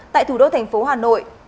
tại thủ đô thành phố hà nội